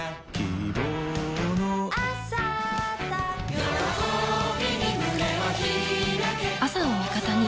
喜びに胸を開け朝を味方に。